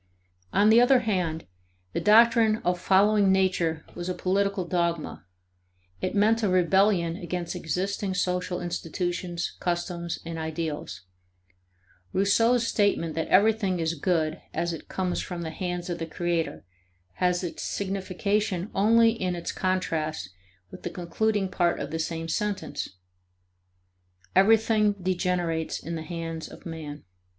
On the other hand, the doctrine of following nature was a political dogma. It meant a rebellion against existing social institutions, customs, and ideals (See ante, p. 91). Rousseau's statement that everything is good as it comes from the hands of the Creator has its signification only in its contrast with the concluding part of the same sentence: "Everything degenerates in the hands of man."